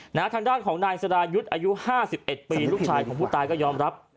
หน้าทางด้านของนายสระยุดอายุ๕๑ปีลูกชายของผู้ตายก็ยอมรับ